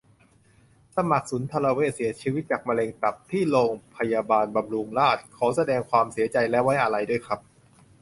สมัคร สุนทรเวช เสียชีวิตจากมะเร็งตับ ที่รพ.บำรุงราษฎร์ ขอแสดงความเสียใจและไว้อาลัยด้วยครับ